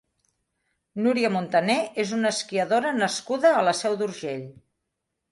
Nuria Montané és una esquiadora nascuda a la Seu d'Urgell.